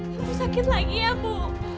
ibu sakit lagi ya ibu